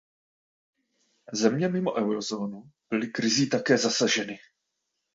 Země mimo eurozónu byly krizí také zasaženy.